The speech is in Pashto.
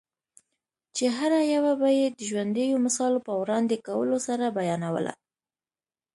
چي هره یوه به یې د ژوندییو مثالو په وړاندي کولو سره بیانوله؛